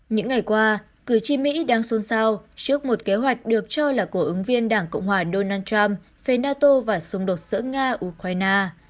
những ngày qua cử tri mỹ đang xôn xao trước một kế hoạch được cho là của ứng viên đảng cộng hòa donald trump phé nato và xung đột giữa nga ukraine